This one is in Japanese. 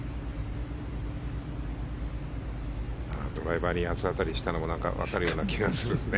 ドライバーに八つ当たりしたのか分かるような気がするよね。